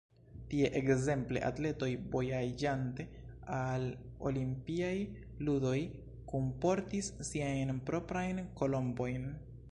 Tie ekzemple atletoj vojaĝante al olimpiaj ludoj kunportis siajn proprajn kolombojn.